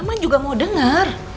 ma juga mau denger